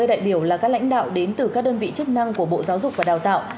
hai mươi đại biểu là các lãnh đạo đến từ các đơn vị chức năng của bộ giáo dục và đào tạo